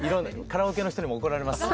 カラオケの人にも怒られます